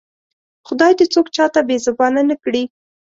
خدای دې څوک چاته بې زبانه نه کړي